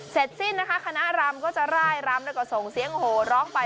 เสร็จสิ้นนะคะคณะรำก็จะร่ายรำแล้วก็ส่งเสียงโหร้องไป